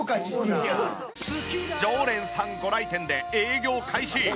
常連さんご来店で営業開始！